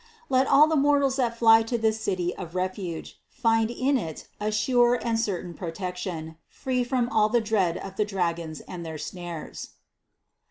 Let all the mortals that fly to this City of refuge, find in it a sure and certain protection, free from all the dread of the demons and their snares."